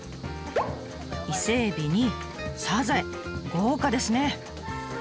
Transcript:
イセエビにサザエ豪華ですね！